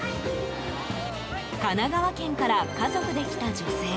神奈川県から家族で来た女性。